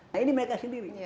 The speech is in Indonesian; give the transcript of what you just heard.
nah ini mereka sendiri